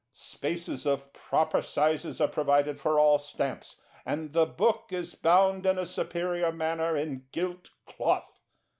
Spaces of proper sizes are provided for all Stamps, and the book is bound in a superior manner in gilt cloth.